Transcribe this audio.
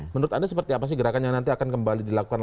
menurut anda seperti apa sih gerakan yang nanti akan kembali dilakukan